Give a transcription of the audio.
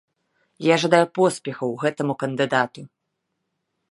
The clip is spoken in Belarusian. Я жадаю поспехаў гэтаму кандыдату.